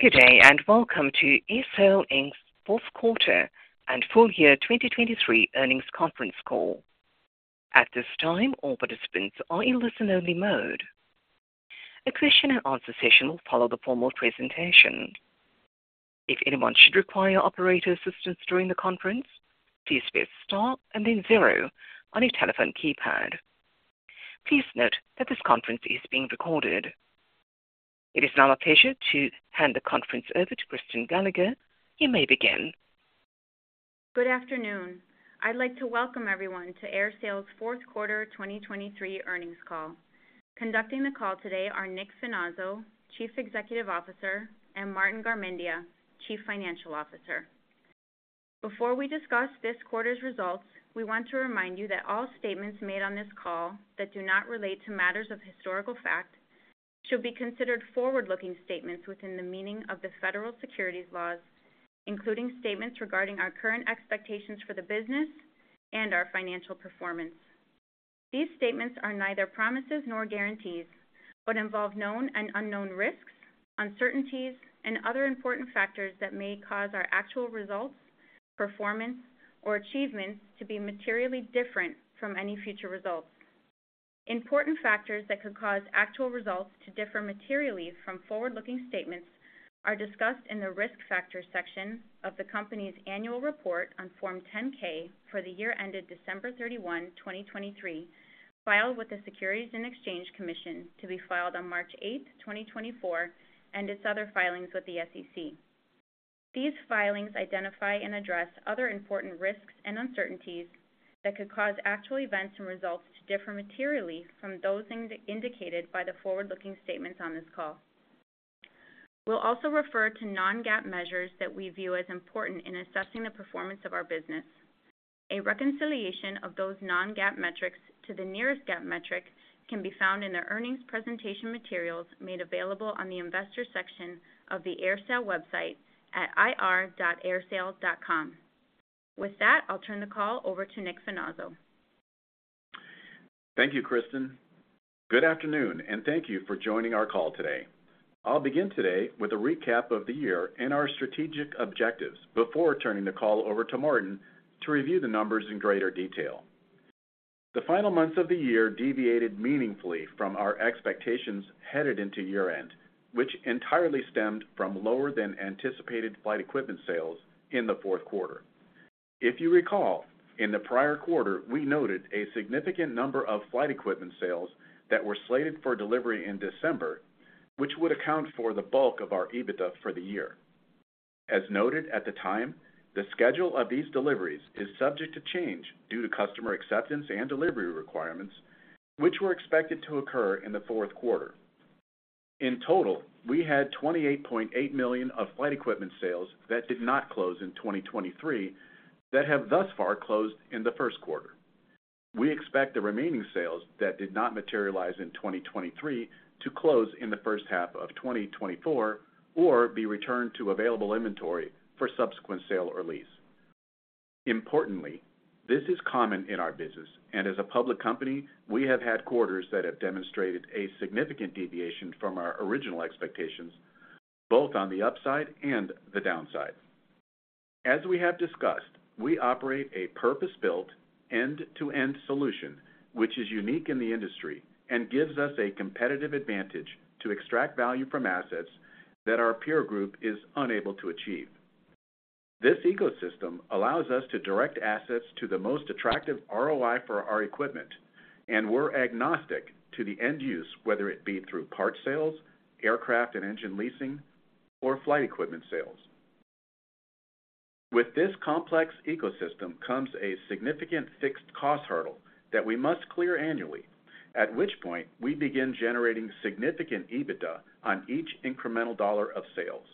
Good day and welcome to AerSale's fourth quarter and full year 2023 earnings conference call. At this time, all participants are in listen-only mode. A question-and-answer session will follow the formal presentation. If anyone should require operator assistance during the conference, please press star and then 0 on your telephone keypad. Please note that this conference is being recorded. It is now my pleasure to hand the conference over to Kristen Gallagher. You may begin. Good afternoon. I'd like to welcome everyone to AerSale's fourth quarter 2023 earnings call. Conducting the call today are Nick Finazzo, Chief Executive Officer, and Martin Garmendia, Chief Financial Officer. Before we discuss this quarter's results, we want to remind you that all statements made on this call that do not relate to matters of historical fact should be considered forward-looking statements within the meaning of the federal securities laws, including statements regarding our current expectations for the business and our financial performance. These statements are neither promises nor guarantees but involve known and unknown risks, uncertainties, and other important factors that may cause our actual results, performance, or achievements to be materially different from any future results. Important factors that could cause actual results to differ materially from forward-looking statements are discussed in the risk factors section of the company's annual report on Form 10-K for the year-ended December 31, 2023, filed with the Securities and Exchange Commission, to be filed on March 8, 2024, and its other filings with the SEC. These filings identify and address other important risks and uncertainties that could cause actual events and results to differ materially from those indicated by the forward-looking statements on this call. We'll also refer to non-GAAP measures that we view as important in assessing the performance of our business. A reconciliation of those non-GAAP metrics to the nearest GAAP metric can be found in the earnings presentation materials made available on the investor section of the AerSale website at ir.aersale.com. With that, I'll turn the call over to Nick Finazzo. Thank you, Kristen. Good afternoon, and thank you for joining our call today. I'll begin today with a recap of the year and our strategic objectives before turning the call over to Martin to review the numbers in greater detail. The final months of the year deviated meaningfully from our expectations headed into year-end, which entirely stemmed from lower-than-anticipated flight equipment sales in the fourth quarter. If you recall, in the prior quarter, we noted a significant number of flight equipment sales that were slated for delivery in December, which would account for the bulk of our EBITDA for the year. As noted at the time, the schedule of these deliveries is subject to change due to customer acceptance and delivery requirements, which were expected to occur in the fourth quarter. In total, we had $28.8 million of flight equipment sales that did not close in 2023 that have thus far closed in the first quarter. We expect the remaining sales that did not materialize in 2023 to close in the first half of 2024 or be returned to available inventory for subsequent sale or lease. Importantly, this is common in our business, and as a public company, we have had quarters that have demonstrated a significant deviation from our original expectations, both on the upside and the downside. As we have discussed, we operate a purpose-built end-to-end solution, which is unique in the industry and gives us a competitive advantage to extract value from assets that our peer group is unable to achieve. This ecosystem allows us to direct assets to the most attractive ROI for our equipment, and we're agnostic to the end use, whether it be through part sales, aircraft and engine leasing, or flight equipment sales. With this complex ecosystem comes a significant fixed cost hurdle that we must clear annually, at which point we begin generating significant EBITDA on each incremental dollar of sales.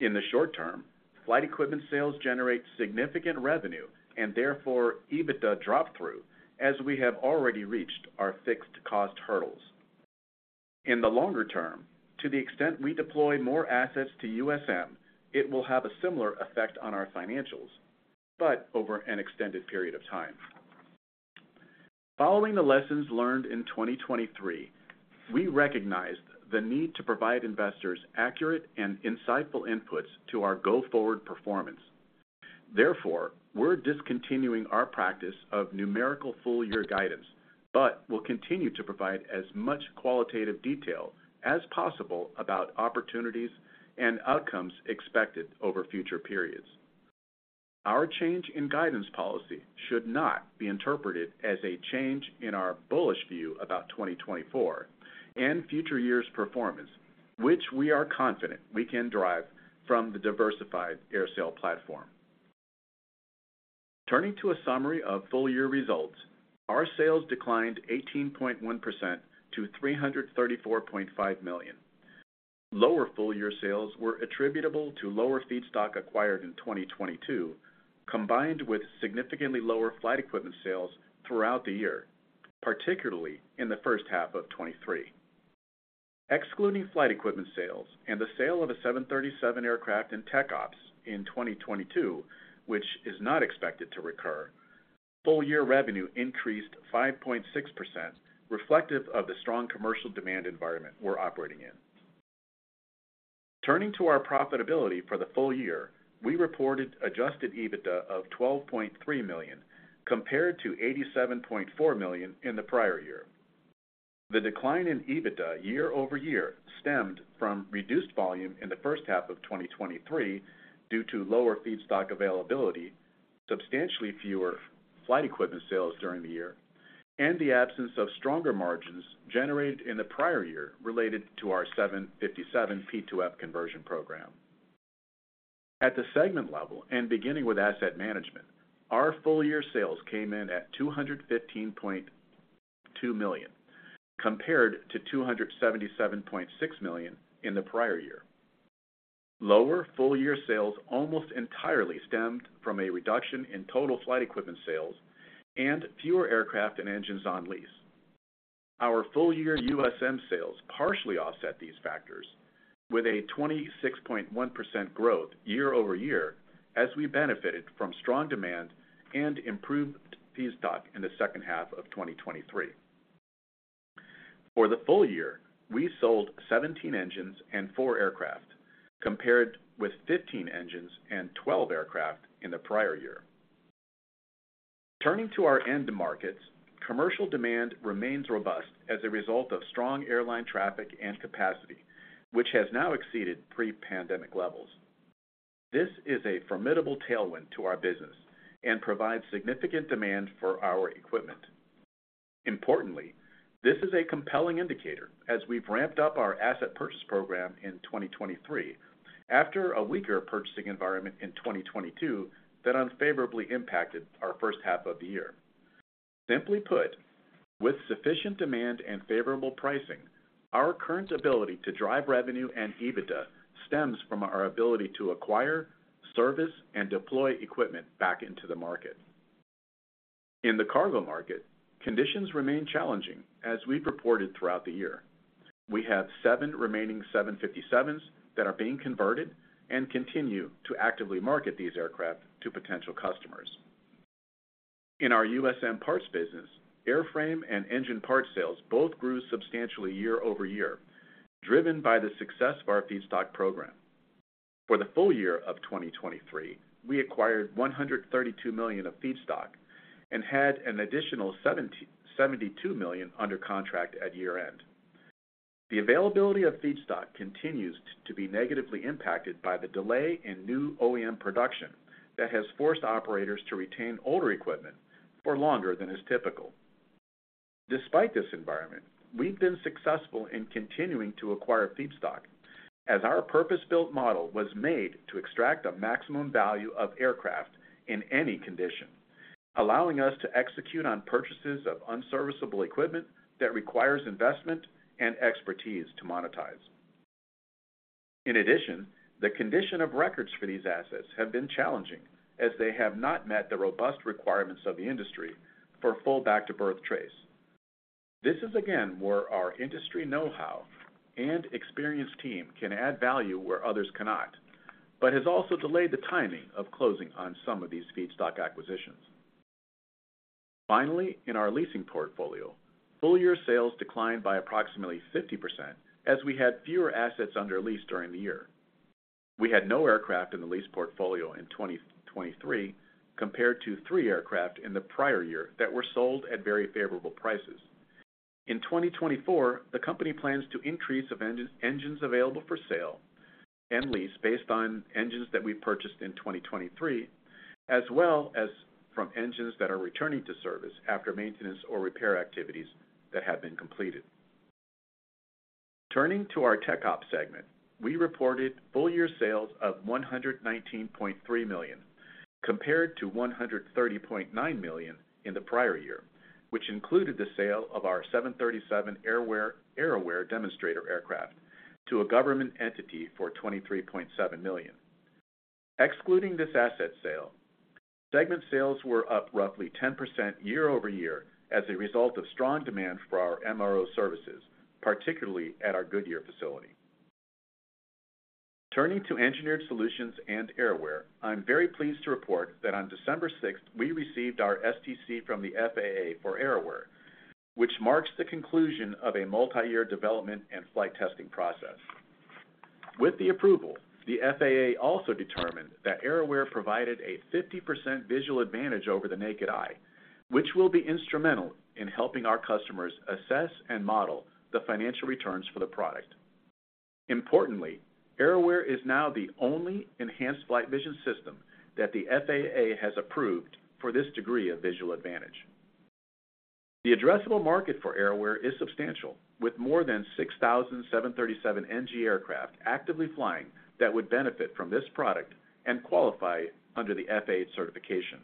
In the short term, flight equipment sales generate significant revenue and therefore EBITDA drop-through as we have already reached our fixed cost hurdles. In the longer term, to the extent we deploy more assets to USM, it will have a similar effect on our financials, but over an extended period of time. Following the lessons learned in 2023, we recognized the need to provide investors accurate and insightful inputs to our go-forward performance. Therefore, we're discontinuing our practice of numerical full-year guidance, but will continue to provide as much qualitative detail as possible about opportunities and outcomes expected over future periods. Our change in guidance policy should not be interpreted as a change in our bullish view about 2024 and future years' performance, which we are confident we can drive from the diversified AerSale platform. Turning to a summary of full-year results, our sales declined 18.1% to $334.5 million. Lower full-year sales were attributable to lower feedstock acquired in 2022, combined with significantly lower flight equipment sales throughout the year, particularly in the first half of 2023. Excluding flight equipment sales and the sale of a 737 aircraft in TechOps in 2022, which is not expected to recur, full-year revenue increased 5.6%, reflective of the strong commercial demand environment we're operating in. Turning to our profitability for the full year, we reported adjusted EBITDA of $12.3 million compared to $87.4 million in the prior year. The decline in EBITDA year-over-year stemmed from reduced volume in the first half of 2023 due to lower feedstock availability, substantially fewer flight equipment sales during the year, and the absence of stronger margins generated in the prior year related to our 757 P2F conversion program. At the segment level and beginning with asset management, our full-year sales came in at $215.2 million compared to $277.6 million in the prior year. Lower full-year sales almost entirely stemmed from a reduction in total flight equipment sales and fewer aircraft and engines on lease. Our full-year USM sales partially offset these factors with a 26.1% growth year-over-year as we benefited from strong demand and improved feedstock in the second half of 2023. For the full year, we sold 17 engines and 4 aircraft compared with 15 engines and 12 aircraft in the prior year. Turning to our end markets, commercial demand remains robust as a result of strong airline traffic and capacity, which has now exceeded pre-pandemic levels. This is a formidable tailwind to our business and provides significant demand for our equipment. Importantly, this is a compelling indicator as we've ramped up our asset purchase program in 2023 after a weaker purchasing environment in 2022 that unfavorably impacted our first half of the year. Simply put, with sufficient demand and favorable pricing, our current ability to drive revenue and EBITDA stems from our ability to acquire, service, and deploy equipment back into the market. In the cargo market, conditions remain challenging as we've reported throughout the year. We have 7 remaining 757s that are being converted and continue to actively market these aircraft to potential customers. In our USM parts business, airframe and engine part sales both grew substantially year-over-year, driven by the success of our feedstock program. For the full year of 2023, we acquired $132 million of feedstock and had an additional $72 million under contract at year-end. The availability of feedstock continues to be negatively impacted by the delay in new OEM production that has forced operators to retain older equipment for longer than is typical. Despite this environment, we've been successful in continuing to acquire feedstock as our purpose-built model was made to extract a maximum value of aircraft in any condition, allowing us to execute on purchases of unserviceable equipment that requires investment and expertise to monetize. In addition, the condition of records for these assets have been challenging as they have not met the robust requirements of the industry for full back-to-birth trace. This is again where our industry know-how and experienced team can add value where others cannot, but has also delayed the timing of closing on some of these Feedstock acquisitions. Finally, in our leasing portfolio, full-year sales declined by approximately 50% as we had fewer assets under lease during the year. We had no aircraft in the lease portfolio in 2023 compared to three aircraft in the prior year that were sold at very favorable prices. In 2024, the company plans to increase engines available for sale and lease based on engines that we purchased in 2023, as well as from engines that are returning to service after maintenance or repair activities that have been completed. Turning to our TechOps segment, we reported full-year sales of $119.3 million compared to $130.9 million in the prior year, which included the sale of our 737 AerAware demonstrator aircraft to a government entity for $23.7 million. Excluding this asset sale, segment sales were up roughly 10% year-over-year as a result of strong demand for our MRO services, particularly at our Goodyear facility. Turning to Engineered Solutions and AerAware, I'm very pleased to report that on December 6th, we received our STC from the FAA for AerAware, which marks the conclusion of a multi-year development and flight testing process. With the approval, the FAA also determined that AerAware provided a 50% visual advantage over the naked eye, which will be instrumental in helping our customers assess and model the financial returns for the product. Importantly, AerAware is now the only enhanced flight vision system that the FAA has approved for this degree of visual advantage. The addressable market for AerAware is substantial, with more than 6,000 737 NG aircraft actively flying that would benefit from this product and qualify under the FAA certification.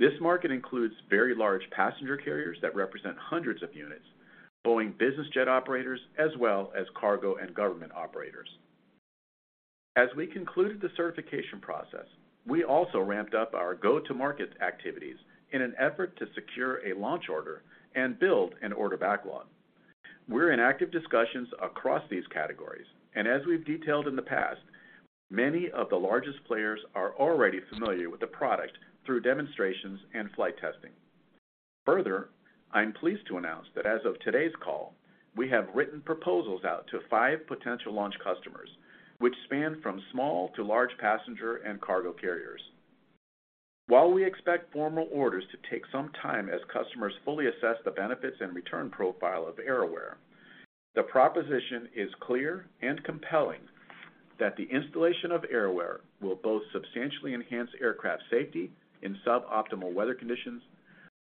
This market includes very large passenger carriers that represent hundreds of units, Boeing Business Jet operators, as well as cargo and government operators. As we concluded the certification process, we also ramped up our go-to-market activities in an effort to secure a launch order and build an order backlog. We're in active discussions across these categories, and as we've detailed in the past, many of the largest players are already familiar with the product through demonstrations and flight testing. Further, I'm pleased to announce that as of today's call, we have written proposals out to 5 potential launch customers, which span from small to large passenger and cargo carriers. While we expect formal orders to take some time as customers fully assess the benefits and return profile of AerAware, the proposition is clear and compelling that the installation of AerAware will both substantially enhance aircraft safety in suboptimal weather conditions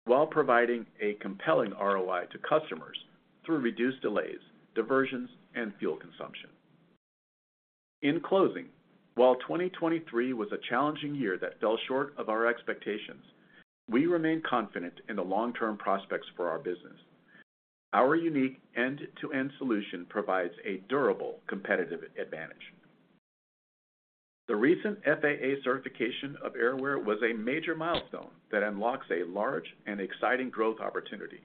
while providing a compelling ROI to customers through reduced delays, diversions, and fuel consumption. In closing, while 2023 was a challenging year that fell short of our expectations, we remain confident in the long-term prospects for our business. Our unique end-to-end solution provides a durable competitive advantage. The recent FAA certification of AerAware was a major milestone that unlocks a large and exciting growth opportunity,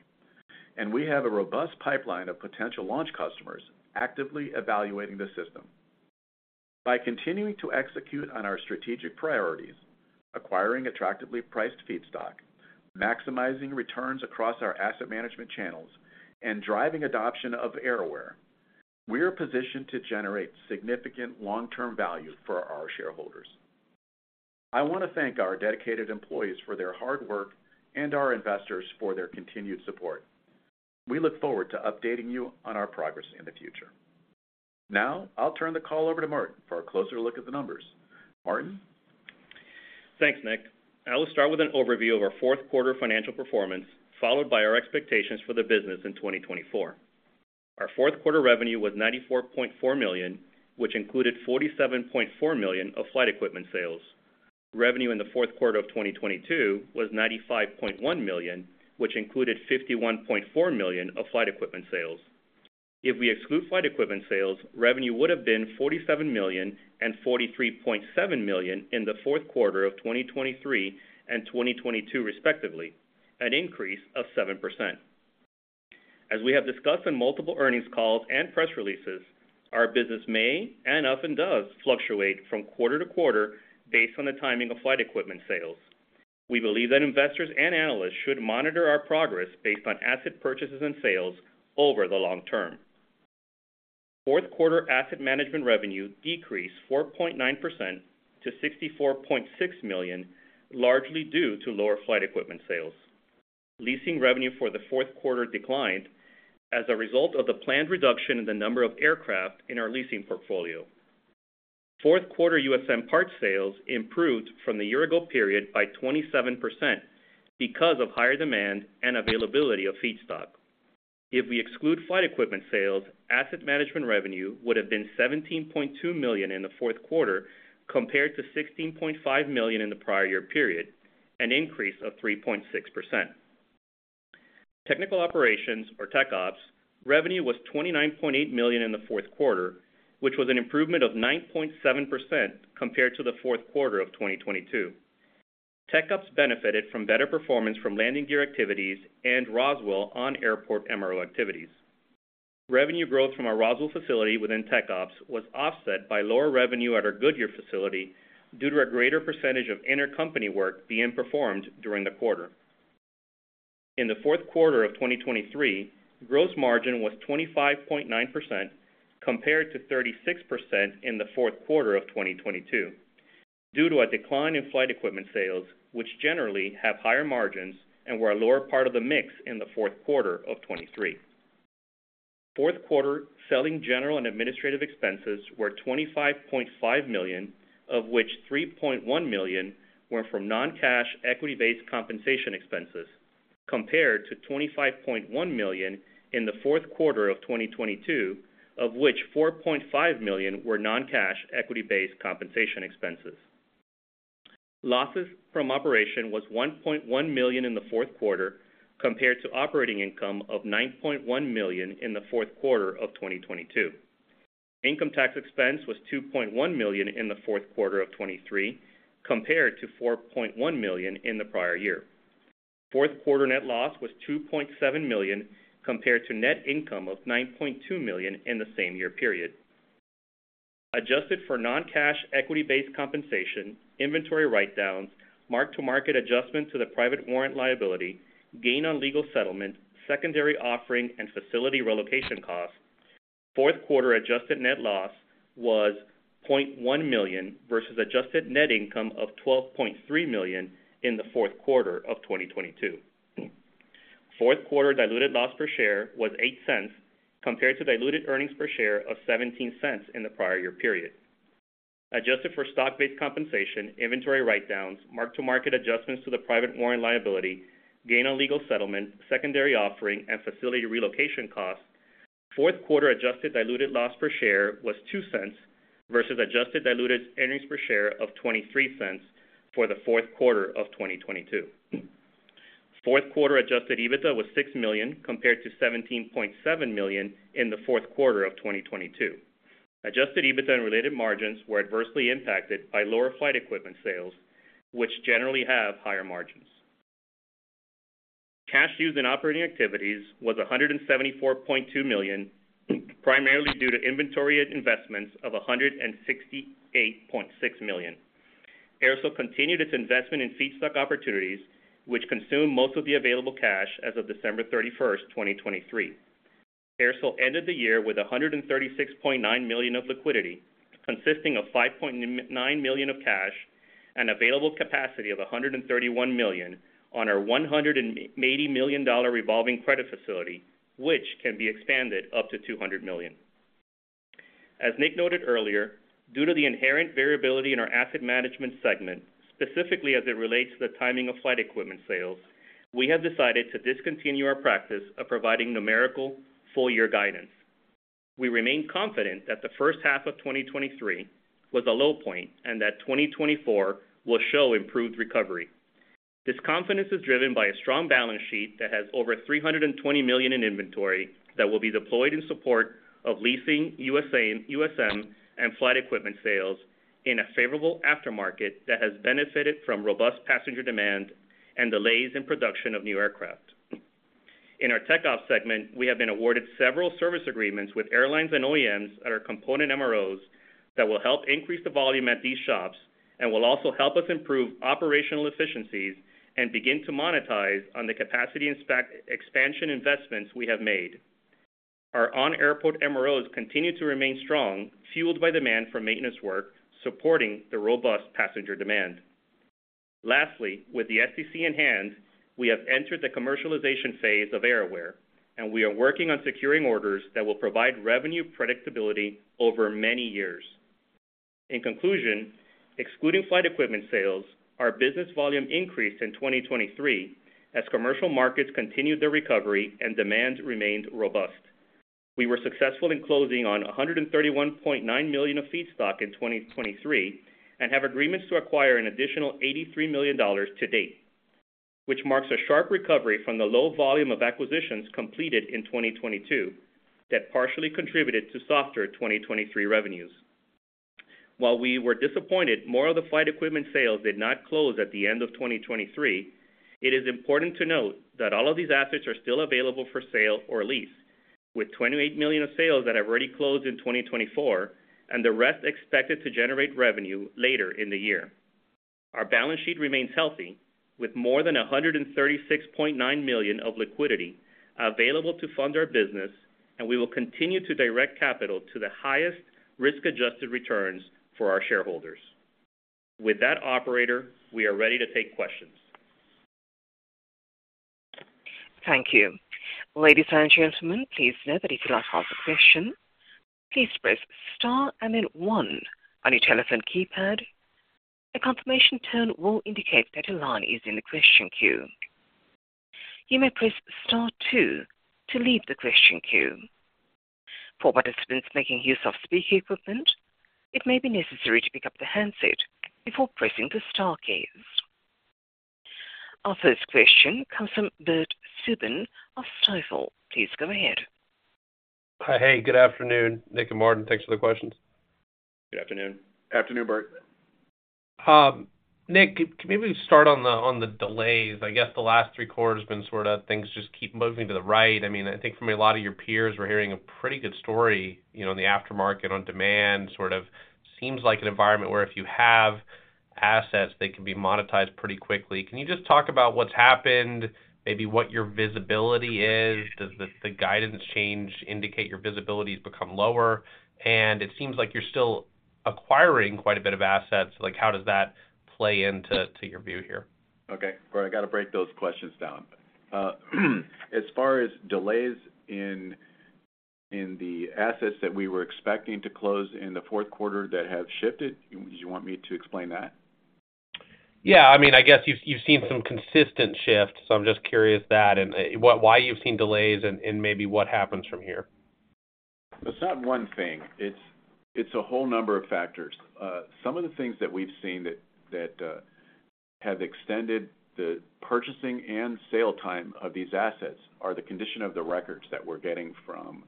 and we have a robust pipeline of potential launch customers actively evaluating the system. By continuing to execute on our strategic priorities, acquiring attractively priced feedstock, maximizing returns across our asset management channels, and driving adoption of AerAware, we're positioned to generate significant long-term value for our shareholders. I want to thank our dedicated employees for their hard work and our investors for their continued support. We look forward to updating you on our progress in the future. Now I'll turn the call over to Martin for a closer look at the numbers. Martin. Thanks, Nick. I'll start with an overview of our fourth quarter financial performance, followed by our expectations for the business in 2024. Our fourth quarter revenue was $94.4 million, which included $47.4 million of flight equipment sales. Revenue in the fourth quarter of 2022 was $95.1 million, which included $51.4 million of flight equipment sales. If we exclude flight equipment sales, revenue would have been $47 million and $43.7 million in the fourth quarter of 2023 and 2022, respectively, an increase of 7%. As we have discussed in multiple earnings calls and press releases, our business may and often does fluctuate from quarter to quarter based on the timing of flight equipment sales. We believe that investors and analysts should monitor our progress based on asset purchases and sales over the long term. Fourth quarter asset management revenue decreased 4.9% to $64.6 million, largely due to lower flight equipment sales. Leasing revenue for the fourth quarter declined as a result of the planned reduction in the number of aircraft in our leasing portfolio. Fourth quarter USM parts sales improved from the year-ago period by 27% because of higher demand and availability of feedstock. If we exclude flight equipment sales, asset management revenue would have been $17.2 million in the fourth quarter compared to $16.5 million in the prior year period, an increase of 3.6%. Technical operations, or TechOps, revenue was $29.8 million in the fourth quarter, which was an improvement of 9.7% compared to the fourth quarter of 2022. TechOps benefited from better performance from landing gear activities and Roswell on-airport MRO activities. Revenue growth from our Roswell facility within TechOps was offset by lower revenue at our Goodyear facility due to a greater percentage of intercompany work being performed during the quarter. In the fourth quarter of 2023, gross margin was 25.9% compared to 36% in the fourth quarter of 2022 due to a decline in flight equipment sales, which generally have higher margins and were a lower part of the mix in the fourth quarter of 2023. Fourth quarter selling, general, and administrative expenses were $25.5 million, of which $3.1 million were from non-cash equity-based compensation expenses compared to $25.1 million in the fourth quarter of 2022, of which $4.5 million were non-cash equity-based compensation expenses. Loss from operations was $1.1 million in the fourth quarter compared to operating income of $9.1 million in the fourth quarter of 2022. Income tax expense was $2.1 million in the fourth quarter of 2023 compared to $4.1 million in the prior year. Fourth quarter net loss was $2.7 million compared to net income of $9.2 million in the same year period. Adjusted for non-cash equity-based compensation, inventory write-downs, mark-to-market adjustment to the private warrant liability, gain on legal settlement, secondary offering, and facility relocation costs, fourth quarter adjusted net loss was $0.1 million versus adjusted net income of $12.3 million in the fourth quarter of 2022. Fourth quarter diluted loss per share was $0.08 compared to diluted earnings per share of $0.17 in the prior year period. Adjusted for stock-based compensation, inventory write-downs, mark-to-market adjustments to the private warrant liability, gain on legal settlement, secondary offering, and facility relocation costs, fourth quarter adjusted diluted loss per share was $0.02 versus adjusted diluted earnings per share of $0.23 for the fourth quarter of 2022. Fourth quarter Adjusted EBITDA was $6 million compared to $17.7 million in the fourth quarter of 2022. Adjusted EBITDA and related margins were adversely impacted by lower flight equipment sales, which generally have higher margins. Cash used in operating activities was $174.2 million, primarily due to inventory investments of $168.6 million. AerSale continued its investment in feedstock opportunities, which consumed most of the available cash as of December 31st, 2023. AerSale ended the year with $136.9 million of liquidity, consisting of $5.9 million of cash, an available capacity of $131 million on our $180 million revolving credit facility, which can be expanded up to $200 million. As Nick noted earlier, due to the inherent variability in our asset management segment, specifically as it relates to the timing of flight equipment sales, we have decided to discontinue our practice of providing numerical full-year guidance. We remain confident that the first half of 2023 was a low point and that 2024 will show improved recovery. This confidence is driven by a strong balance sheet that has over $320 million in inventory that will be deployed in support of leasing USM and flight equipment sales in a favorable aftermarket that has benefited from robust passenger demand and delays in production of new aircraft. In our TechOps segment, we have been awarded several service agreements with airlines and OEMs at our component MROs that will help increase the volume at these shops and will also help us improve operational efficiencies and begin to monetize on the capacity expansion investments we have made. Our on-airport MROs continue to remain strong, fueled by demand for maintenance work supporting the robust passenger demand. Lastly, with the STC in hand, we have entered the commercialization phase of AerAware, and we are working on securing orders that will provide revenue predictability over many years. In conclusion, excluding flight equipment sales, our business volume increased in 2023 as commercial markets continued their recovery and demand remained robust. We were successful in closing on $131.9 million of feedstock in 2023 and have agreements to acquire an additional $83 million to date, which marks a sharp recovery from the low volume of acquisitions completed in 2022 that partially contributed to softer 2023 revenues. While we were disappointed more of the flight equipment sales did not close at the end of 2023, it is important to note that all of these assets are still available for sale or lease, with $28 million of sales that have already closed in 2024 and the rest expected to generate revenue later in the year. Our balance sheet remains healthy, with more than $136.9 million of liquidity available to fund our business, and we will continue to direct capital to the highest risk-adjusted returns for our shareholders. With that, operator, we are ready to take questions. Thank you. Ladies and gentlemen, please note that if you like to ask a question, please press star and then one on your telephone keypad. A confirmation tone will indicate that your line is in the question queue. You may press star two to leave the question queue. For participants making use of speaker equipment, it may be necessary to pick up the handset before pressing the star keys. Our first question comes from Bert Subin of Stifel. Please go ahead. Hi. Hey. Good afternoon, Nick and Martin. Thanks for the questions. Good afternoon. Afternoon, Bert. Nick, can maybe we start on the delays. I guess the last three quarters have been sort of things just keep moving to the right. I mean, I think from a lot of your peers, we're hearing a pretty good story in the aftermarket on demand. Sort of seems like an environment where if you have assets, they can be monetized pretty quickly. Can you just talk about what's happened, maybe what your visibility is? Does the guidance change indicate your visibility has become lower? And it seems like you're still acquiring quite a bit of assets. How does that play into your view here? Okay. Bert, I got to break those questions down. As far as delays in the assets that we were expecting to close in the fourth quarter that have shifted, did you want me to explain that? Yeah. I mean, I guess you've seen some consistent shift, so I'm just curious that and why you've seen delays and maybe what happens from here? It's not one thing. It's a whole number of factors. Some of the things that we've seen that have extended the purchasing and sale time of these assets are the condition of the records that we're getting from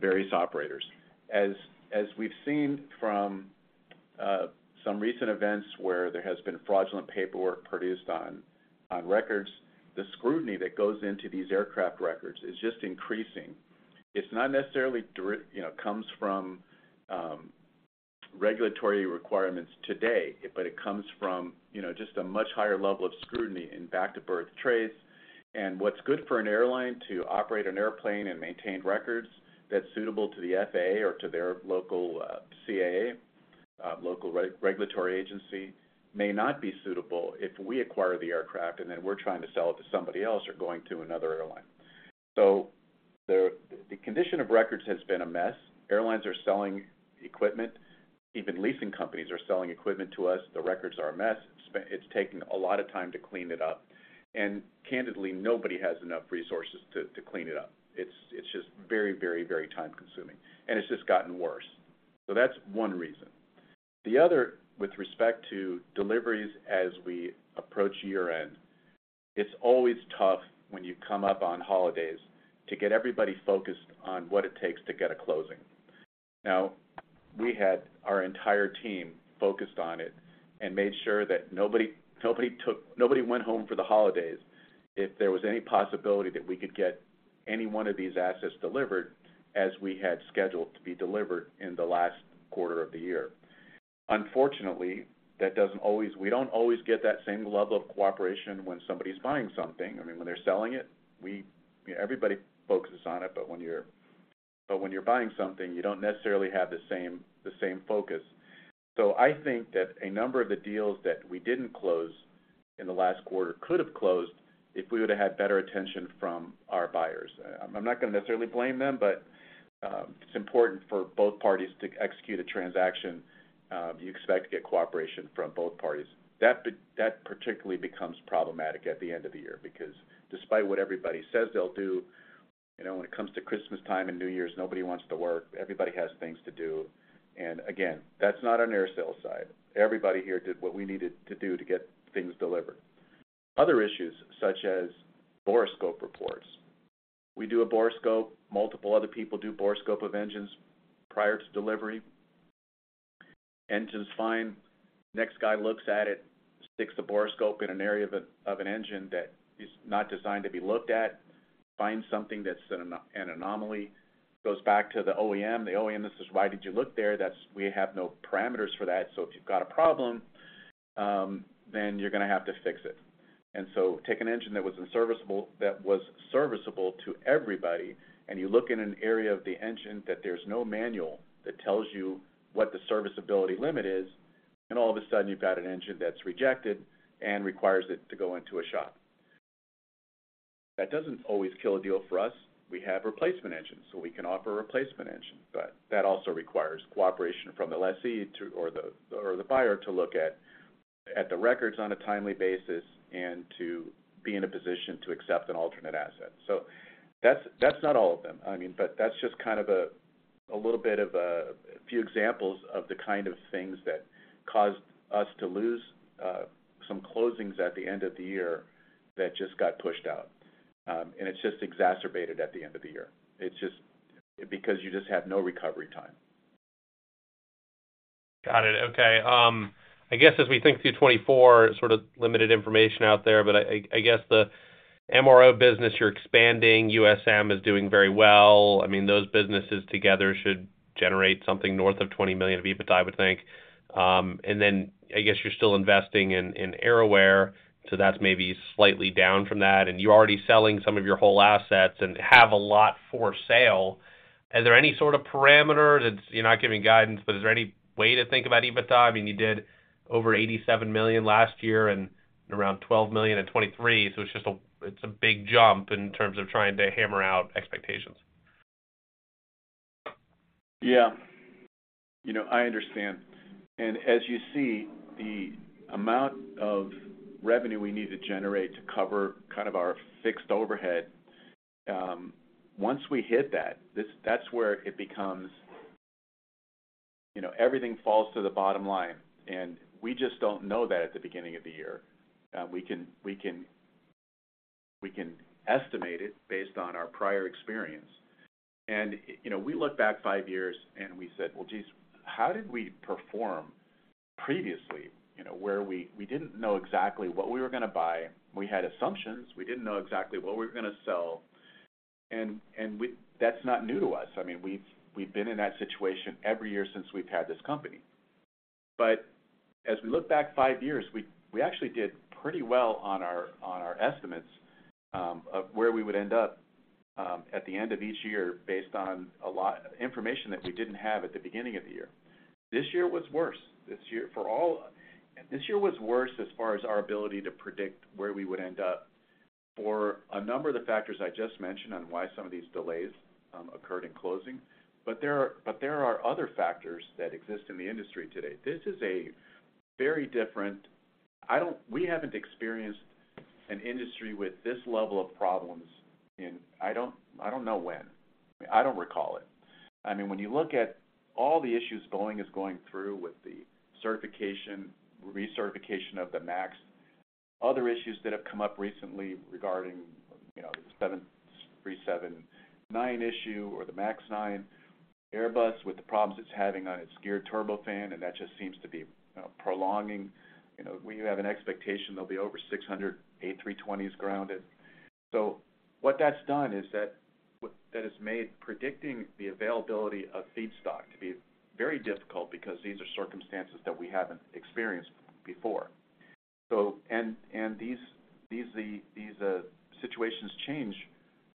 various operators. As we've seen from some recent events where there has been fraudulent paperwork produced on records, the scrutiny that goes into these aircraft records is just increasing. It's not necessarily comes from regulatory requirements today, but it comes from just a much higher level of scrutiny in back-to-birth trace. What's good for an airline to operate an airplane and maintain records that's suitable to the FAA or to their local CAA, local regulatory agency, may not be suitable if we acquire the aircraft and then we're trying to sell it to somebody else or going to another airline. So the condition of records has been a mess. Airlines are selling equipment. Even leasing companies are selling equipment to us. The records are a mess. It's taking a lot of time to clean it up. Candidly, nobody has enough resources to clean it up. It's just very, very, very time-consuming. It's just gotten worse. That's one reason. The other, with respect to deliveries as we approach year-end, it's always tough when you come up on holidays to get everybody focused on what it takes to get a closing. Now, we had our entire team focused on it and made sure that nobody went home for the holidays if there was any possibility that we could get any one of these assets delivered as we had scheduled to be delivered in the last quarter of the year. Unfortunately, we don't always get that same level of cooperation when somebody's buying something. I mean, when they're selling it, everybody focuses on it, but when you're buying something, you don't necessarily have the same focus. So I think that a number of the deals that we didn't close in the last quarter could have closed if we would have had better attention from our buyers. I'm not going to necessarily blame them, but it's important for both parties to execute a transaction. You expect to get cooperation from both parties. That particularly becomes problematic at the end of the year because despite what everybody says they'll do, when it comes to Christmastime and New Year's, nobody wants to work. Everybody has things to do. And again, that's not on AerSale's side. Everybody here did what we needed to do to get things delivered. Other issues such as borescope reports. We do a borescope. Multiple other people do borescope of engines prior to delivery. Engine's fine. Next guy looks at it, sticks a borescope in an area of an engine that is not designed to be looked at, finds something that's an anomaly, goes back to the OEM. The OEM says, "Why did you look there?" We have no parameters for that. If you've got a problem, then you're going to have to fix it. And so take an engine that was serviceable to everybody, and you look in an area of the engine that there's no manual that tells you what the serviceability limit is, and all of a sudden, you've got an engine that's rejected and requires it to go into a shop. That doesn't always kill a deal for us. We have replacement engines, so we can offer a replacement engine. That also requires cooperation from the lessee or the buyer to look at the records on a timely basis and to be in a position to accept an alternate asset. So that's not all of them, I mean, but that's just kind of a little bit of a few examples of the kind of things that caused us to lose some closings at the end of the year that just got pushed out. And it's just exacerbated at the end of the year because you just have no recovery time. Got it. Okay. I guess as we think through 2024, sort of limited information out there, but I guess the MRO business you're expanding, USM is doing very well. I mean, those businesses together should generate something north of $20 million of EBITDA, I would think. And then I guess you're still investing in AerAware, so that's maybe slightly down from that. You're already selling some of your whole assets and have a lot for sale. Are there any sort of parameters? You're not giving guidance, but is there any way to think about EBITDA? I mean, you did over $87 million last year and around $12 million in 2023, so it's a big jump in terms of trying to hammer out expectations. Yeah. I understand. And as you see, the amount of revenue we need to generate to cover kind of our fixed overhead, once we hit that, that's where it becomes everything falls to the bottom line. And we just don't know that at the beginning of the year. We can estimate it based on our prior experience. And we look back five years, and we said, "Well, jeez, how did we perform previously where we didn't know exactly what we were going to buy? We had assumptions. We didn't know exactly what we were going to sell. And that's not new to us. I mean, we've been in that situation every year since we've had this company. As we look back five years, we actually did pretty well on our estimates of where we would end up at the end of each year based on a lot of information that we didn't have at the beginning of the year. This year was worse. This year was worse as far as our ability to predict where we would end up for a number of the factors I just mentioned on why some of these delays occurred in closing. But there are other factors that exist in the industry today. This is a very different. We haven't experienced an industry with this level of problems in, I don't know, when. I mean, I don't recall it. When you look at all the issues Boeing is going through with the certification, recertification of the MAX, other issues that have come up recently regarding the 737-9 issue or the MAX 9, Airbus with the problems it's having on its Geared Turbofan, and that just seems to be prolonging. You have an expectation they'll be over 600 A320s grounded. So what that's done is that it's made predicting the availability of feedstock to be very difficult because these are circumstances that we haven't experienced before. And these situations change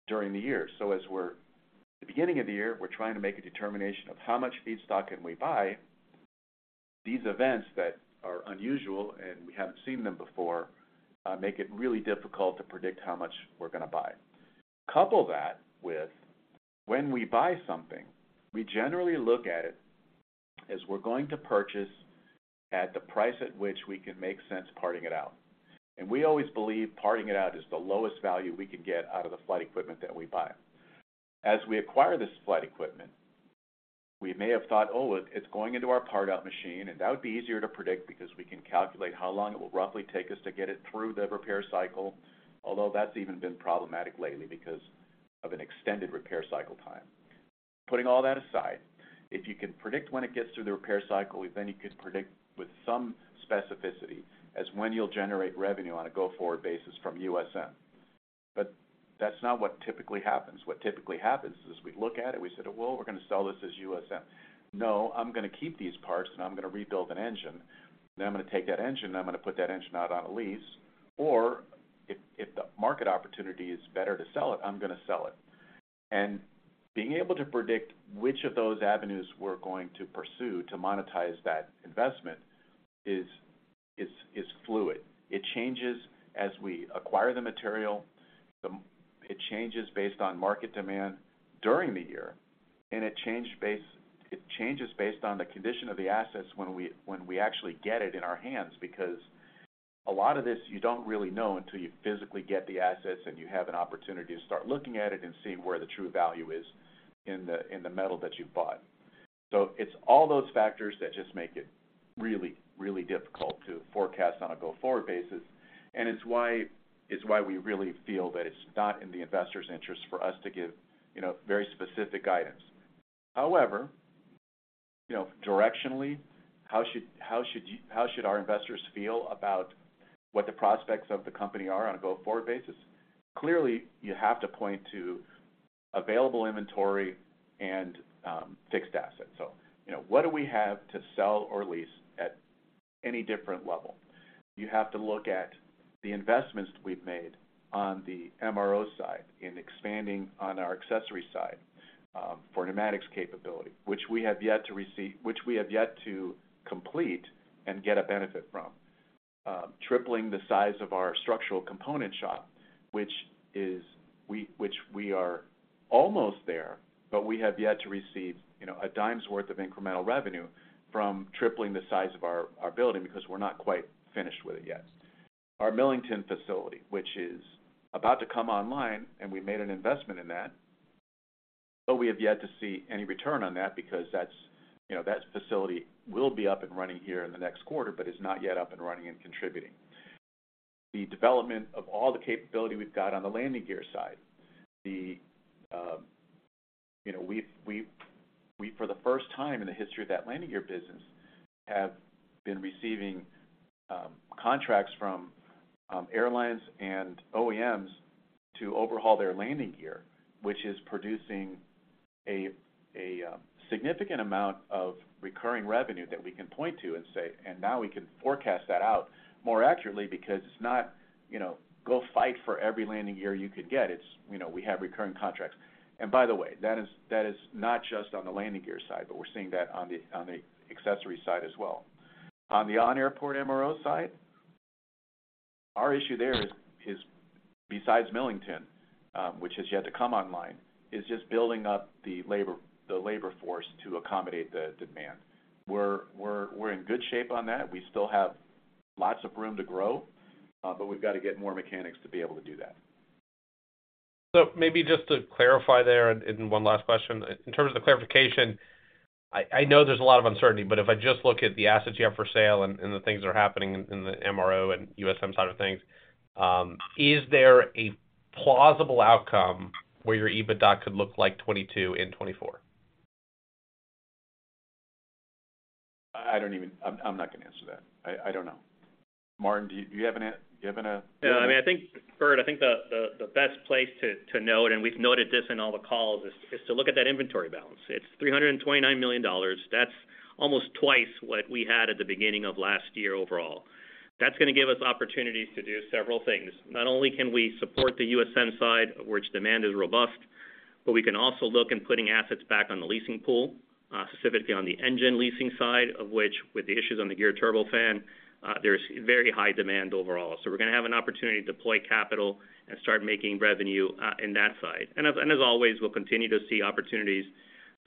during the year. So at the beginning of the year, we're trying to make a determination of how much feedstock can we buy. These events that are unusual, and we haven't seen them before, make it really difficult to predict how much we're going to buy. Couple that with when we buy something, we generally look at it as we're going to purchase at the price at which we can make sense parting it out. We always believe parting it out is the lowest value we can get out of the flight equipment that we buy. As we acquire this flight equipment, we may have thought, "Oh, it's going into our part-out machine," and that would be easier to predict because we can calculate how long it will roughly take us to get it through the repair cycle, although that's even been problematic lately because of an extended repair cycle time. Putting all that aside, if you can predict when it gets through the repair cycle, then you could predict with some specificity as when you'll generate revenue on a go-forward basis from USM. That's not what typically happens. What typically happens is we look at it, we say, "Well, we're going to sell this as USM." No, I'm going to keep these parts, and I'm going to rebuild an engine. Then I'm going to take that engine, and I'm going to put that engine out on a lease. Or if the market opportunity is better to sell it, I'm going to sell it. And being able to predict which of those avenues we're going to pursue to monetize that investment is fluid. It changes as we acquire the material. It changes based on market demand during the year. It changes based on the condition of the assets when we actually get it in our hands because a lot of this, you don't really know until you physically get the assets and you have an opportunity to start looking at it and seeing where the true value is in the metal that you've bought. It's all those factors that just make it really, really difficult to forecast on a go-forward basis. And it's why we really feel that it's not in the investor's interest for us to give very specific guidance. However, directionally, how should our investors feel about what the prospects of the company are on a go-forward basis? Clearly, you have to point to available inventory and fixed assets. So what do we have to sell or lease at any different level? You have to look at the investments we've made on the MRO side in expanding on our accessory side for pneumatics capability, which we have yet to receive, which we have yet to complete and get a benefit from. Tripling the size of our structural component shop, which we are almost there, but we have yet to receive a dime's worth of incremental revenue from tripling the size of our building because we're not quite finished with it yet. Our Millington facility, which is about to come online, and we made an investment in that, but we have yet to see any return on that because that facility will be up and running here in the next quarter but is not yet up and running and contributing. The development of all the capability we've got on the landing gear side, we, for the first time in the history of that landing gear business, have been receiving contracts from airlines and OEMs to overhaul their landing gear, which is producing a significant amount of recurring revenue that we can point to and say, "And now we can forecast that out more accurately because it's not go fight for every landing gear you could get. We have recurring contracts." And by the way, that is not just on the landing gear side, but we're seeing that on the accessory side as well. On the on-airport MRO side, our issue there is, besides Millington, which has yet to come online, is just building up the labor force to accommodate the demand. We're in good shape on that. We still have lots of room to grow, but we've got to get more mechanics to be able to do that. Just to clarify there in one last question, in terms of the clarification, I know there's a lot of uncertainty, but if I just look at the assets you have for sale and the things that are happening in the MRO and USM side of things, is there a plausible outcome where your EBITDA could look like 2022 in 2024? I'm not going to answer that. I don't know. Martin, do you have an? Yeah. I mean, Bert, I think the best place to note, and we've noted this in all the calls, is to look at that inventory balance. It's $329 million. That's almost twice what we had at the beginning of last year overall. That's going to give us opportunities to do several things. Not only can we support the USM side, of which demand is robust, but we can also look at putting assets back on the leasing pool, specifically on the engine leasing side, of which, with the issues on the geared turbofan, there's very high demand overall. We're going to have an opportunity to deploy capital and start making revenue in that side. And as always, we'll continue to see opportunities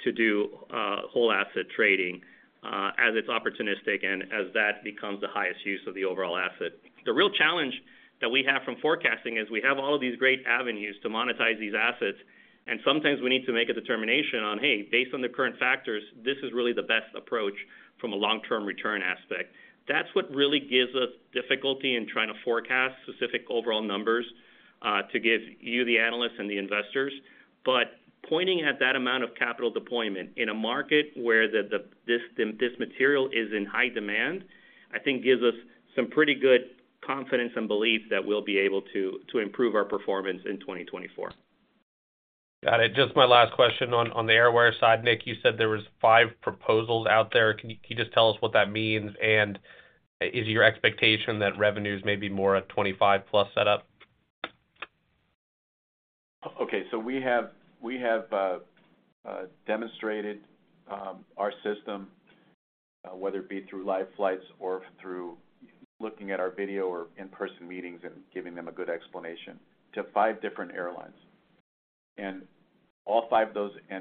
to do whole asset trading as it's opportunistic and as that becomes the highest use of the overall asset. The real challenge that we have from forecasting is we have all of these great avenues to monetize these assets, and sometimes we need to make a determination on, "Hey, based on the current factors, this is really the best approach from a long-term return aspect." That's what really gives us difficulty in trying to forecast specific overall numbers to give you, the analysts, and the investors. But pointing at that amount of capital deployment in a market where this material is in high demand, I think, gives us some pretty good confidence and belief that we'll be able to improve our performance in 2024. Got it. Just my last question on the AerAware side, Nick, you said there were 5 proposals out there. Can you just tell us what that means, and is your expectation that revenues may be more a 25-plus setup? Okay. So we have demonstrated our system, whether it be through live flights or through looking at our video or in-person meetings and giving them a good explanation, to five different airlines and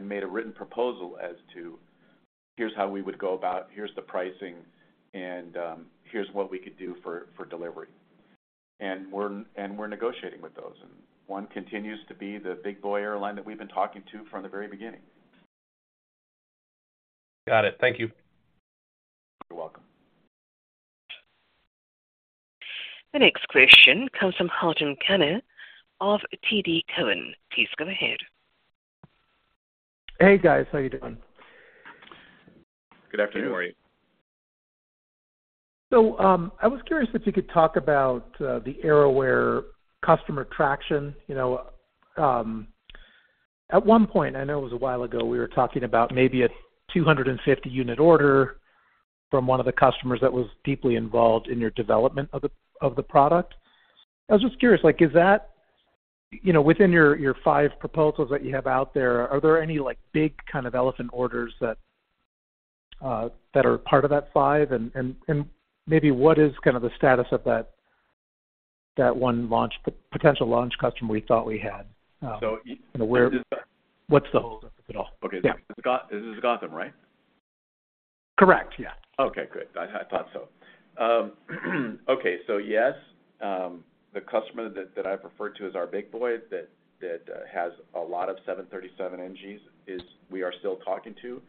made a written proposal as to, "Here's how we would go about it. Here's the pricing, and here's what we could do for delivery." And we're negotiating with those. And one continues to be the Big Boy airline that we've been talking to from the very beginning. Got it. Thank you. You're welcome. The next question comes from Gautam Khanna of TD Cowen. Please go ahead. Hey, guys. How are you doing? Good afternoon. Good morning. I was curious if you could talk about the AerAware customer traction. At one point, I know it was a while ago, we were talking about maybe a 250-unit order from one of the customers that was deeply involved in your development of the product. I was just curious, is that within your five proposals that you have out there, are there any big kind of elephant orders that are part of that five? And maybe what is kind of the status of that one potential launch customer we thought we had? What's the holdup, if at all? Okay. This is Gautam, right? Correct. Yeah. Okay. Good. I thought so. Okay. So yes, the customer that I've referred to as our Big Boy that has a lot of 737 NGs is we are still talking to,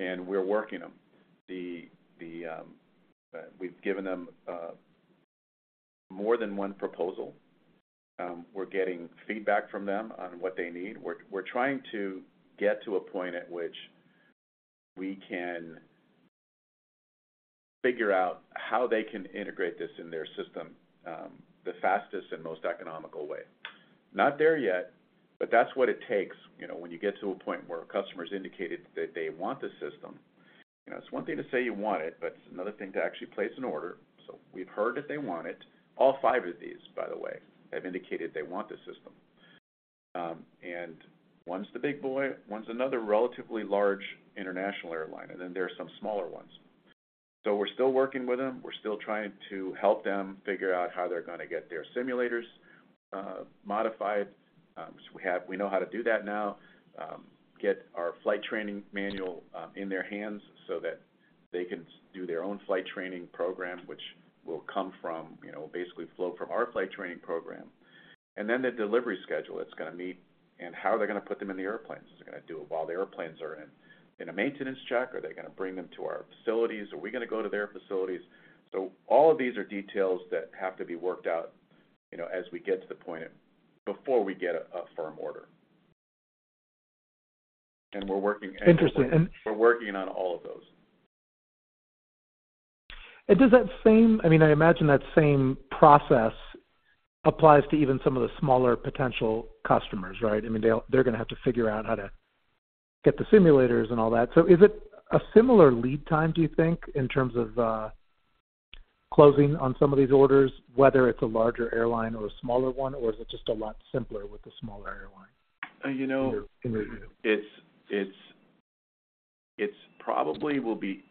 and we're working them. We've given them more than one proposal. We're getting feedback from them on what they need. We're trying to get to a point at which we can figure out how they can integrate this in their system the fastest and most economical way. Not there yet, but that's what it takes. When you get to a point where a customer's indicated that they want the system, it's one thing to say you want it, but it's another thing to actually place an order. So we've heard that they want it. All five of these, by the way, have indicated they want the system. And one's the Big Boy. One's another relatively large international airline, and then there are some smaller ones. So we're still working with them. We're still trying to help them figure out how they're going to get their simulators modified. We know how to do that now, get our flight training manual in their hands so that they can do their own flight training program, which will come from will basically flow from our flight training program. Then the delivery schedule that's going to meet and how they're going to put them in the airplanes. Is it going to do it while the airplanes are in a maintenance check? Are they going to bring them to our facilities? Are we going to go to their facilities? So all of these are details that have to be worked out as we get to the point before we get a firm order. We're working on all of those. Does that same—I mean, I imagine that same process apply to even some of the smaller potential customers, right? I mean, they're going to have to figure out how to get the simulators and all that. So is it a similar lead time, do you think, in terms of closing on some of these orders, whether it's a larger airline or a smaller one, or is it just a lot simpler with the smaller airline in review? It probably will be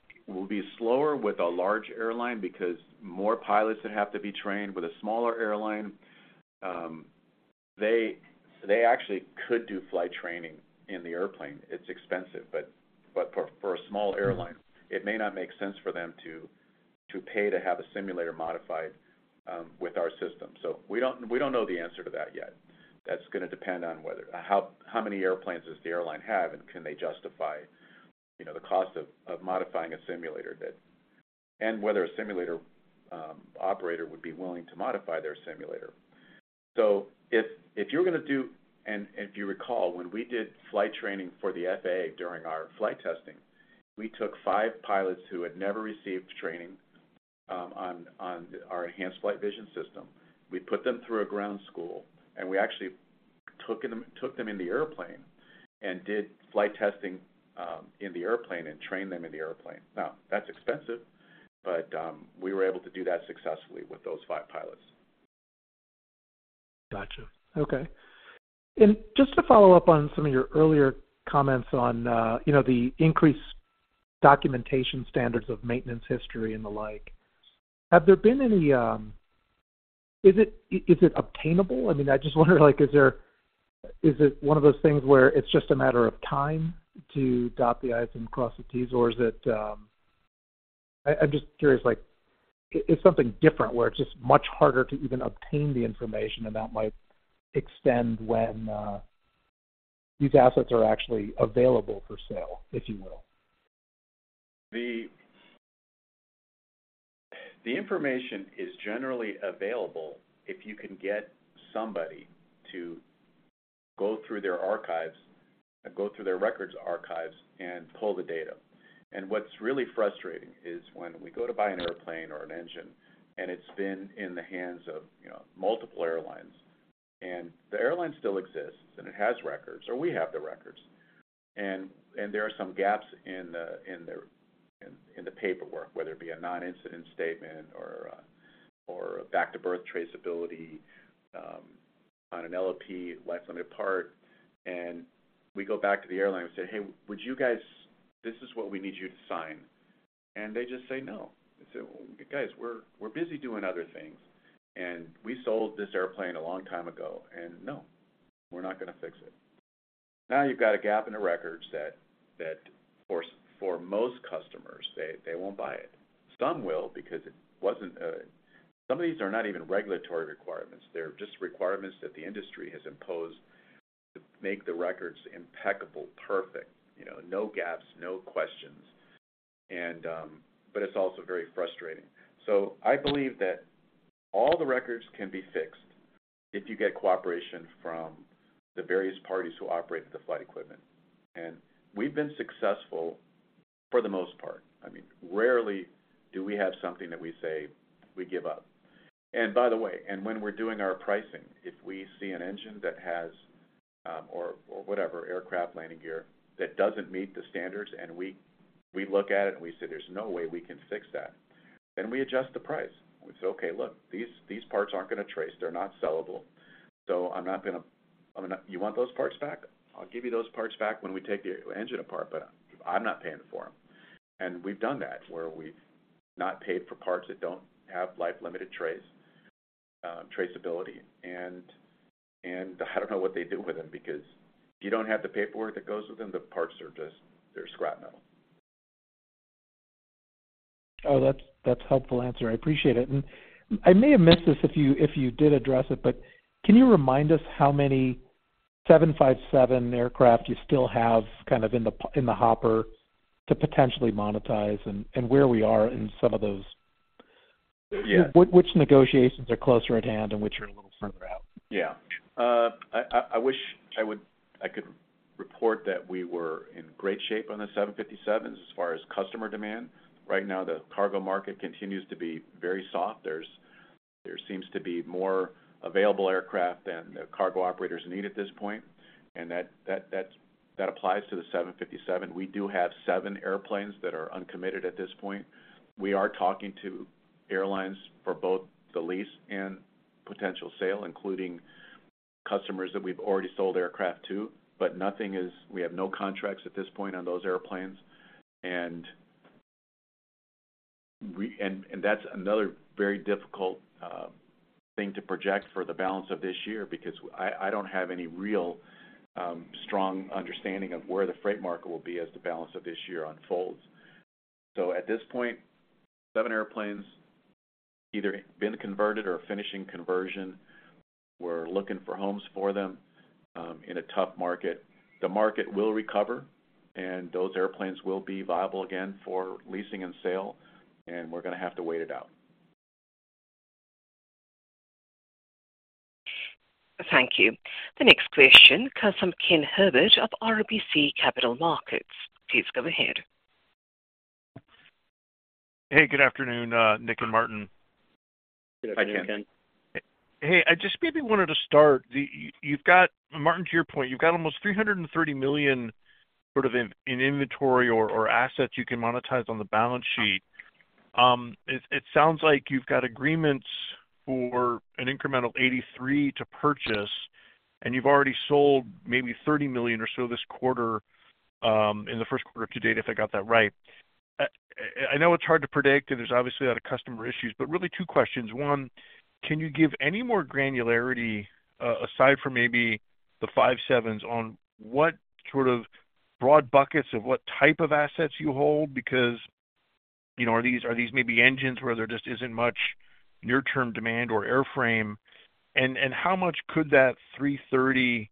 slower with a large airline because more pilots that have to be trained with a smaller airline, they actually could do flight training in the airplane. It's expensive. But for a small airline, it may not make sense for them to pay to have a simulator modified with our system. So we don't know the answer to that yet. That's going to depend on how many airplanes does the airline have, and can they justify the cost of modifying a simulator, and whether a simulator operator would be willing to modify their simulator. So if you're going to do and if you recall, when we did flight training for the FAA during our flight testing, we took 5 pilots who had never received training on our enhanced flight vision system. We put them through a ground school, and we actually took them in the airplane and did flight testing in the airplane and trained them in the airplane. Now, that's expensive, but we were able to do that successfully with those five pilots. Gotcha. Okay. And just to follow up on some of your earlier comments on the increased documentation standards of maintenance history and the like, have there been any? Is it obtainable? I mean, I just wonder, is it one of those things where it's just a matter of time to dot the i's and cross the t's, or is it? I'm just curious. Is something different where it's just much harder to even obtain the information, and that might extend when these assets are actually available for sale, if you will? The information is generally available if you can get somebody to go through their archives and go through their records archives and pull the data. What's really frustrating is when we go to buy an airplane or an engine, and it's been in the hands of multiple airlines, and the airline still exists, and it has records, or we have the records, and there are some gaps in the paperwork, whether it be a non-incident statement or a back-to-birth traceability on an LLP, life-limited part. We go back to the airline and say, "Hey, would you guys this is what we need you to sign." And they just say, "No." They say, "Guys, we're busy doing other things, and we sold this airplane a long time ago, and no, we're not going to fix it." Now, you've got a gap in the records that, for most customers, they won't buy it. Some will because it wasn't a some of these are not even regulatory requirements. They're just requirements that the industry has imposed to make the records impeccable, perfect, no gaps, no questions. But it's also very frustrating. So I believe that all the records can be fixed if you get cooperation from the various parties who operated the flight equipment. And we've been successful for the most part. I mean, rarely do we have something that we say we give up. By the way, and when we're doing our pricing, if we see an engine that has or whatever, aircraft landing gear, that doesn't meet the standards, and we look at it and we say, "There's no way we can fix that," then we adjust the price. We say, "Okay. Look, these parts aren't going to trace. They're not sellable. So I'm not going to you want those parts back? I'll give you those parts back when we take the engine apart, but I'm not paying for them." And we've done that where we've not paid for parts that don't have life-limited traceability. And I don't know what they do with them because if you don't have the paperwork that goes with them, the parts are just they're scrap metal. Oh, that's a helpful answer. I appreciate it. I may have missed this if you did address it, but can you remind us how many 757 aircraft you still have kind of in the hopper to potentially monetize and where we are in some of those which negotiations are closer at hand and which are a little further out? Yeah. I wish I could report that we were in great shape on the 757s as far as customer demand. Right now, the cargo market continues to be very soft. There seems to be more available aircraft than the cargo operators need at this point. And that applies to the 757. We do have 7 airplanes that are uncommitted at this point. We are talking to airlines for both the lease and potential sale, including customers that we've already sold aircraft to, but we have no contracts at this point on those airplanes. And that's another very difficult thing to project for the balance of this year because I don't have any real strong understanding of where the freight market will be as the balance of this year unfolds. So at this point, 7 airplanes either been converted or finishing conversion. We're looking for homes for them in a tough market. The market will recover, and those airplanes will be viable again for leasing and sale. And we're going to have to wait it out. Thank you. The next question from Ken Herbert of RBC Capital Markets. Please go ahead. Hey, good afternoon, Nick and Martin. Good afternoon, Ken. Hey, I just maybe wanted to start. Martin, to your point, you've got almost $330 million sort of in inventory or assets you can monetize on the balance sheet. It sounds like you've got agreements for an incremental $83 million to purchase, and you've already sold maybe $30 million or so this quarter in the first quarter to date, if I got that right. I know it's hard to predict, and there's obviously a lot of customer issues, but really two questions. One, can you give any more granularity aside from maybe the 757s on what sort of broad buckets of what type of assets you hold? Because are these maybe engines where there just isn't much near-term demand or airframe? And how much could that $330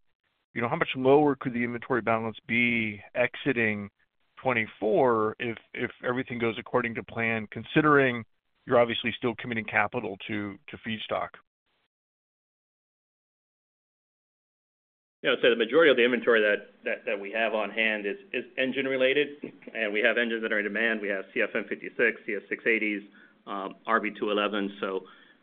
million—how much lower could the inventory balance be exiting 2024 if everything goes according to plan, considering you're obviously still committing capital to feedstock? Yeah. I'd say the majority of the inventory that we have on hand is engine-related. And we have engines that are in demand. We have CFM56, CF6-80s, RB211s. So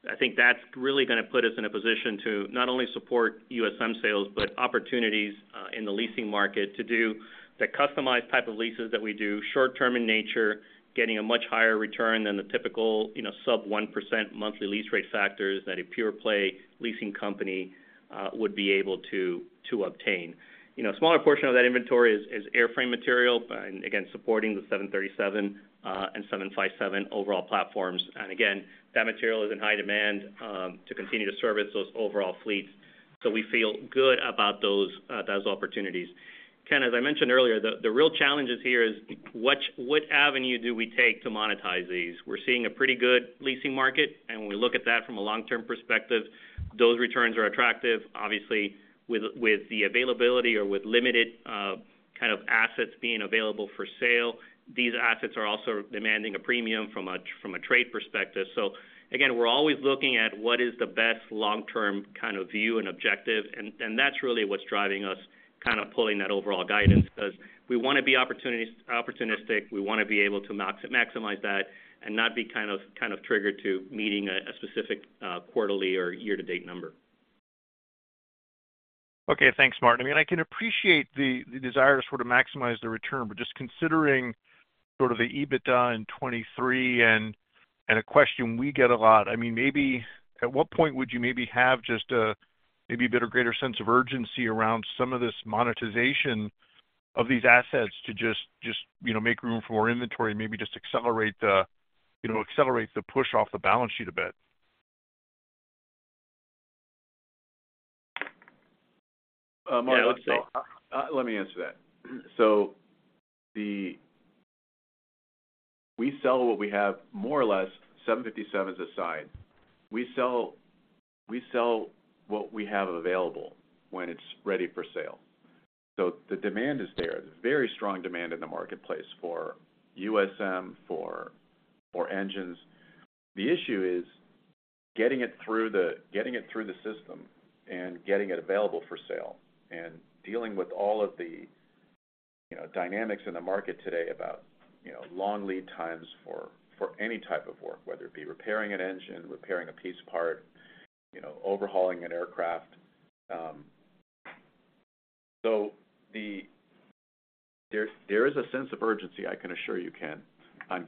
I think that's really going to put us in a position to not only support USM sales, but opportunities in the leasing market to do the customized type of leases that we do, short-term in nature, getting a much higher return than the typical sub-1% monthly lease rate factors that a pure-play leasing company would be able to obtain. A smaller portion of that inventory is airframe material, and again, supporting the 737 and 757 overall platforms. And again, that material is in high demand to continue to service those overall fleets. So we feel good about those opportunities. Ken, as I mentioned earlier, the real challenge is here, is what avenue do we take to monetize these? We're seeing a pretty good leasing market. When we look at that from a long-term perspective, those returns are attractive. Obviously, with the availability or with limited kind of assets being available for sale, these assets are also demanding a premium from a trade perspective. Again, we're always looking at what is the best long-term kind of view and objective. That's really what's driving us kind of pulling that overall guidance because we want to be opportunistic. We want to be able to maximize that and not be kind of triggered to meeting a specific quarterly or year-to-date number. Okay. Thanks, Martin. I mean, I can appreciate the desire to sort of maximize the return, but just considering sort of the EBITDA in 2023 and a question we get a lot, I mean, maybe at what point would you maybe have just maybe a bit of greater sense of urgency around some of this monetization of these assets to just make room for more inventory and maybe just accelerate the push off the balance sheet a bit? Martin, let me answer that. So we sell what we have, more or less, 757s aside. We sell what we have available when it's ready for sale. So the demand is there. There's very strong demand in the marketplace for USM, for engines. The issue is getting it through the system and getting it available for sale and dealing with all of the dynamics in the market today about long lead times for any type of work, whether it be repairing an engine, repairing a piece part, overhauling an aircraft. There is a sense of urgency, I can assure you, Ken, on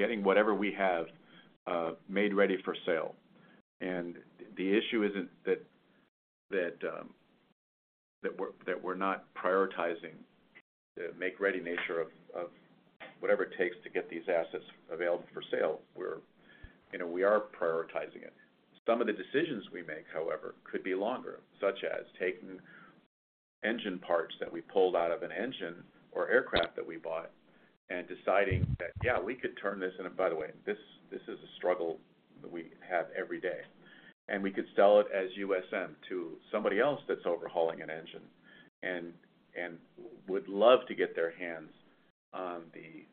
getting whatever we have made ready for sale. And the issue isn't that we're not prioritizing the make-ready nature of whatever it takes to get these assets available for sale. We are prioritizing it. Some of the decisions we make, however, could be longer, such as taking engine parts that we pulled out of an engine or aircraft that we bought and deciding that, "Yeah, we could turn this in." And by the way, this is a struggle that we have every day. And we could sell it as USM to somebody else that's overhauling an engine and would love to get their hands on the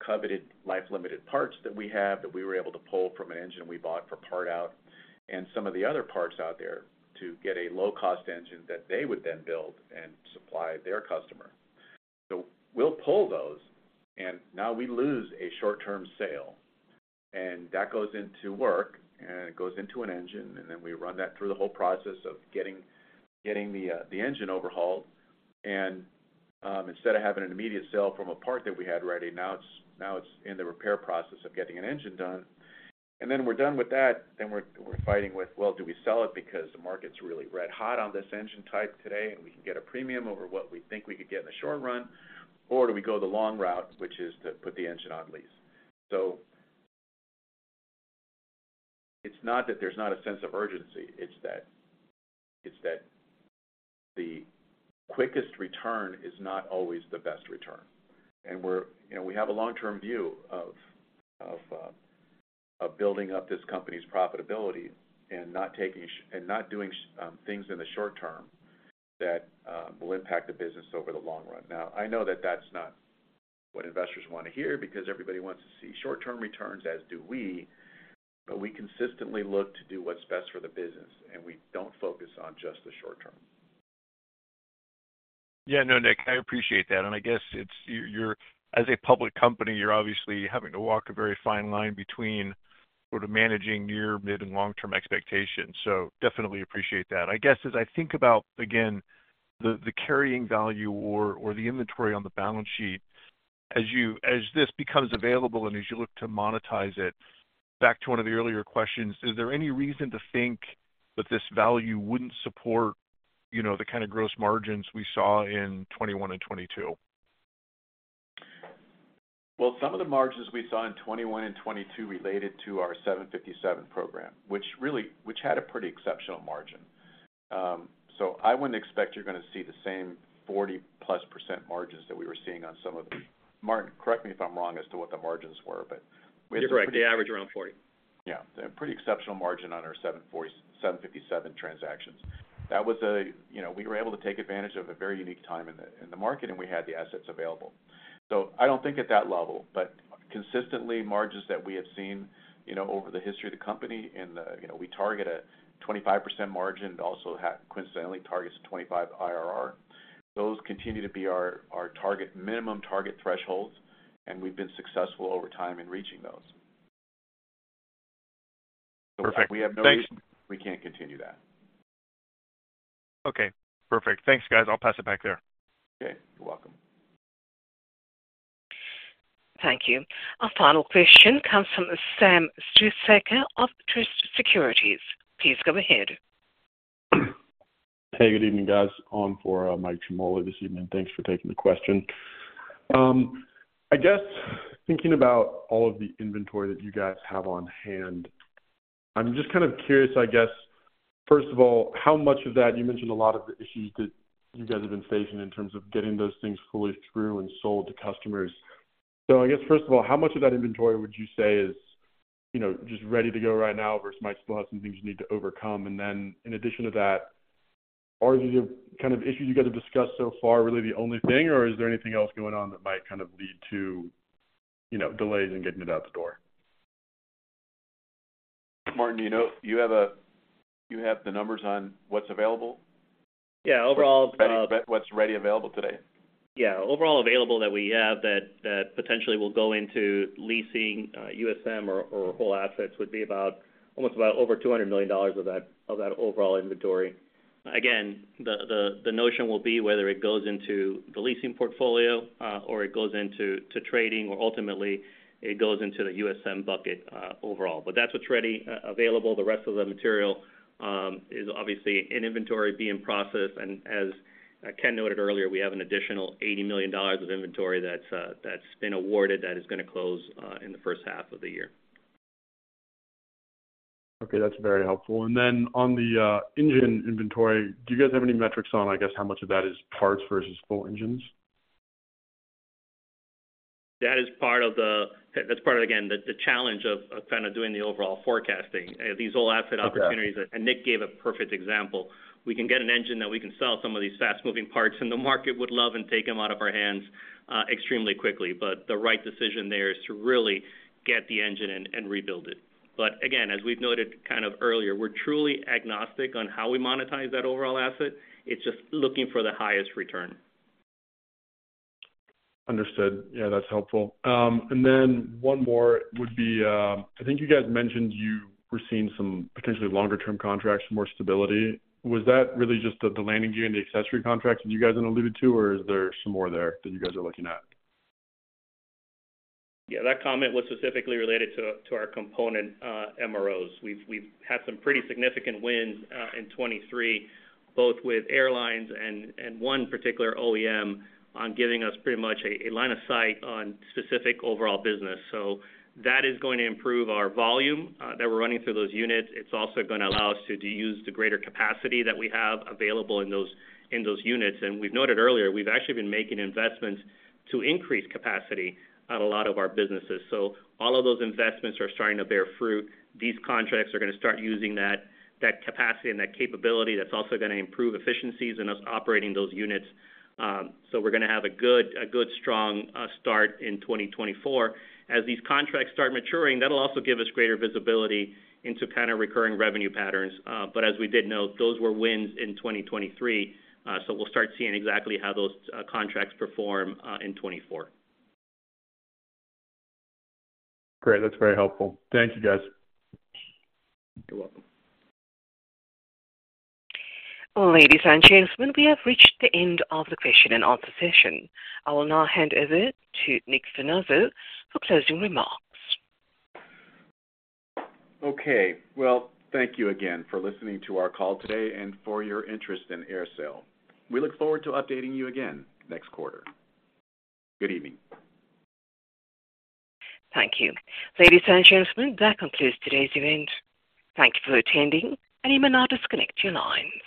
coveted life-limited parts that we have that we were able to pull from an engine we bought for part out and some of the other parts out there to get a low-cost engine that they would then build and supply their customer. We'll pull those, and now we lose a short-term sale. And that goes into work, and it goes into an engine, and then we run that through the whole process of getting the engine overhauled. Instead of having an immediate sale from a part that we had ready, now it's in the repair process of getting an engine done. Then we're done with that. Then we're fighting with, "Well, do we sell it because the market's really red-hot on this engine type today, and we can get a premium over what we think we could get in the short run? Or do we go the long route, which is to put the engine on lease?" It's not that there's not a sense of urgency. It's that the quickest return is not always the best return. We have a long-term view of building up this company's profitability and not doing things in the short term that will impact the business over the long run. Now, I know that that's not what investors want to hear because everybody wants to see short-term returns, as do we. But we consistently look to do what's best for the business, and we don't focus on just the short term. Yeah. No, Nick, I appreciate that. I guess as a public company, you're obviously having to walk a very fine line between sort of managing near, mid-, and long-term expectations. So definitely appreciate that. I guess as I think about, again, the carrying value or the inventory on the balance sheet, as this becomes available and as you look to monetize it, back to one of the earlier questions, is there any reason to think that this value wouldn't support the kind of gross margins we saw in 2021 and 2022? Well, some of the margins we saw in 2021 and 2022 related to our 757 program, which had a pretty exceptional margin. So I wouldn't expect you're going to see the same 40%+ margins that we were seeing on some of them, Martin, correct me if I'm wrong as to what the margins were, but we had some. You're right. The average around 40. Yeah. A pretty exceptional margin on our 757 transactions. That was, we were able to take advantage of a very unique time in the market, and we had the assets available. So I don't think at that level, but consistently, margins that we have seen over the history of the company. In the, we target a 25% margin and also coincidentally target a 25 IRR. Those continue to be our minimum target thresholds, and we've been successful over time in reaching those. So we have no reason we can't continue that. Okay. Perfect. Thanks, guys. I'll pass it back there. Okay. You're welcome. Thank you. Our final question comes from Sam Struhsaker of Truist Securities. Please go ahead. Hey. Good evening, guys. On for Mike Ciarmoli this evening. Thanks for taking the question. I guess thinking about all of the inventory that you guys have on hand, I'm just kind of curious, I guess, first of all, how much of that you mentioned a lot of the issues that you guys have been facing in terms of getting those things fully through and sold to customers. First of all, how much of that inventory would you say is just ready to go right now versus might still have some things you need to overcome? And then in addition to that, are the kind of issues you guys have discussed so far really the only thing, or is there anything else going on that might kind of lead to delays in getting it out the door? Martin, you have the numbers on what's available? Yeah. Overall. What's readily available today? Yeah. Overall available that we have that potentially will go into leasing USM or whole assets would be almost over $200 million of that overall inventory. Again, the notion will be whether it goes into the leasing portfolio or it goes into trading, or ultimately, it goes into the USM bucket overall. But that's what's ready available. The rest of the material is obviously in inventory being processed. And as Ken noted earlier, we have an additional $80 million of inventory that's been awarded that is going to close in the first half of the year. Okay. That's very helpful. And then on the engine inventory, do you guys have any metrics on, I guess, how much of that is parts versus full engines? That is part of, again, the challenge of kind of doing the overall forecasting, these whole asset opportunities. Nick gave a perfect example. We can get an engine that we can sell some of these fast-moving parts, and the market would love and take them out of our hands extremely quickly. But the right decision there is to really get the engine and rebuild it. But again, as we've noted kind of earlier, we're truly agnostic on how we monetize that overall asset. It's just looking for the highest return. Understood. Yeah. That's helpful. And then one more would be I think you guys mentioned you were seeing some potentially longer-term contracts, more stability. Was that really just the landing gear and the accessory contracts that you guys had alluded to, or is there some more there that you guys are looking at? Yeah. That comment was specifically related to our component MROs. We've had some pretty significant wins in 2023, both with airlines and one particular OEM on giving us pretty much a line of sight on specific overall business. So that is going to improve our volume that we're running through those units. It's also going to allow us to use the greater capacity that we have available in those units. We've noted earlier, we've actually been making investments to increase capacity on a lot of our businesses. So all of those investments are starting to bear fruit. These contracts are going to start using that capacity and that capability. That's also going to improve efficiencies in our operating those units. So we're going to have a good, strong start in 2024. As these contracts start maturing, that'll also give us greater visibility into kind of recurring revenue patterns. As we did note, those were wins in 2023. So we'll start seeing exactly how those contracts perform in 2024. Great. That's very helpful. Thank you, guys. You're welcome. Ladies and gentlemen, we have reached the end of the question and answer session. I will now hand over to Nick Finazzo for closing remarks. Okay. Well, thank you again for listening to our call today and for your interest in AerSale. We look forward to updating you again next quarter. Good evening. Thank you. Ladies and gentlemen, that concludes today's event. Thank you for attending, and you may now disconnect your lines.